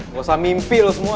gak usah mimpi loh semua